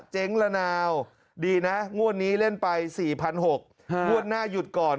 เจ๊งละนาวดีนะงวดนี้เล่นไป๔๖๐๐งวดหน้าหยุดก่อน